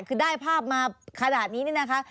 คือได้ภาพมาขนาดนี้นี่นะคะ